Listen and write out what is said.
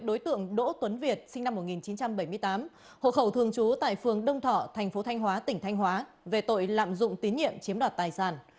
đối tượng đỗ tuấn việt sinh năm một nghìn chín trăm bảy mươi tám hộ khẩu thường trú tại phường đông thọ thành phố thanh hóa tỉnh thanh hóa về tội lạm dụng tín nhiệm chiếm đoạt tài sản